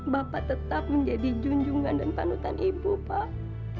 bapak tetap menjadi junjungan dan panutan ibu pak